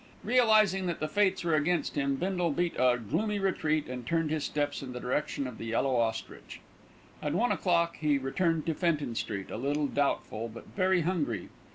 Realising that the fates were against him, Bindle beat a gloomy retreat, and turned his steps in the direction of The Yellow Ostrich. At one o'clock he returned to Fenton Street, a little doubtful; but very hungry.